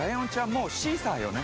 もう、シーサーよね？